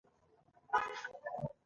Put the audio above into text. زه د تفریح نړۍ خوښوم.